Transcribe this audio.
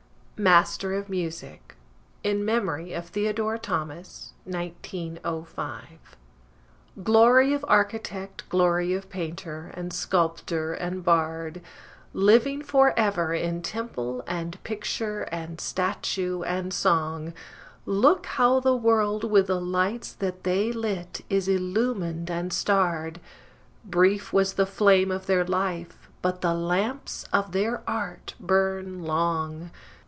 MASTER OF MUSIC (In memory of Theodore Thomas, 1905) Glory of architect, glory of painter, and sculp tor, and bard, Living forever in temple and picture and statue and song, Look how the world with the lights that they lit is illumined and starred, Brief was the flame of their life, but the lamps of their art burn long!